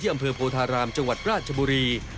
อำเภอโพธารามจังหวัดราชบุรี